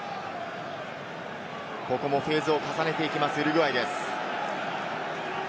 ここもフェーズを重ねていきます、ウルグアイです。